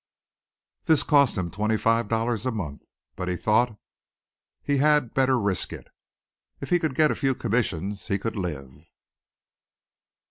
This cost him twenty five dollars a month, but he thought he had better risk it. If he could get a few commissions he could live.